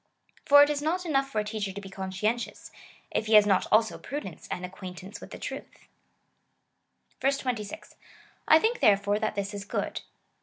For it is not enough for a teacher to be conscientious, if he has not also prudence and acquaintance with the truth, 26. / think therefore that this is good.